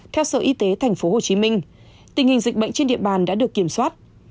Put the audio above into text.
theo sở y tế tp hcm tình hình dịch bệnh trên địa bàn đã được kiểm soát